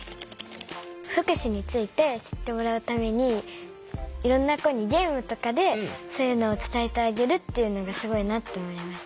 福祉について知ってもらうためにいろんな子にゲームとかでそういうのを伝えてあげるっていうのがすごいなって思いました。